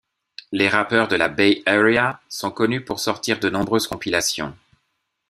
Les rappeurs de la Bay Area sont connus pour sortir de nombreuses compilations.